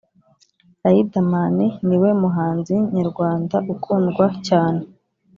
Rayidamani niwe muhanzi nyarwanda ukundwa cyane